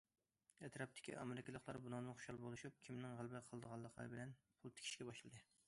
ئەتراپتىكى ئامېرىكىلىقلار بۇنىڭدىن خۇشال بولۇشۇپ، كىمنىڭ غەلىبە قىلىدىغانلىقى بىلەن پۇل تىكىشكە باشلىدى.